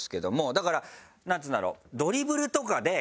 だからなんつうんだろう。